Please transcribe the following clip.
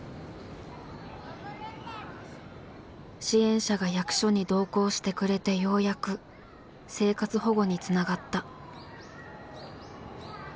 支援者が役所に同行してくれてようやく生活保護につながった。